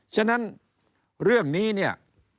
ฉะนั้นเรื่องนี้เนี่ย